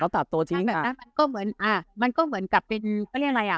แล้วตัดตัวชิ้นอ่ะมันก็เหมือนอ่ามันก็เหมือนกับเป็นเป็นเรียกอะไรอ่ะ